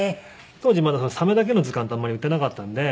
当時まだサメだけの図鑑ってあんまり売ってなかったんで。